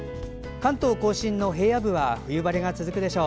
関東・甲信の平野部は冬晴れが続くでしょう。